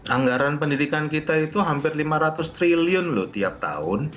anggaran pendidikan kita itu hampir lima ratus triliun loh tiap tahun